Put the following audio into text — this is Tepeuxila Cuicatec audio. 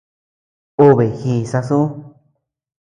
Obe ji sasu.